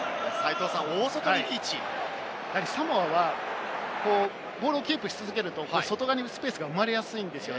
やはりサモアはボールをキープし続けると、外側にスペースが生まれやすいんですよ。